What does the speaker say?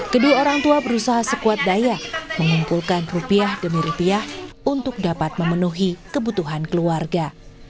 kedua orang tua berusaha sekuat daya mengumpulkan rupiah demi rupiah untuk dapat memenuhi kebutuhan keluarga